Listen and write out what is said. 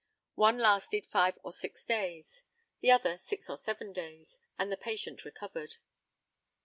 One lasted five or six days, the other six or seven days, and the patient recovered.